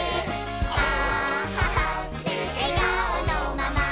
あははってえがおのまま」